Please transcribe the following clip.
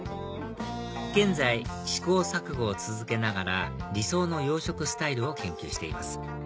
現在試行錯誤を続けながら理想の養殖スタイルを研究しています